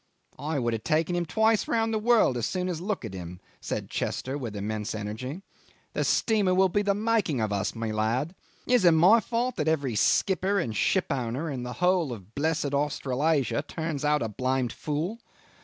"I would have taken him twice round the world as soon as look at him," said Chester with immense energy. "The steamer will be the making of us, my lad. Is it my fault that every skipper and shipowner in the whole of blessed Australasia turns out a blamed fool?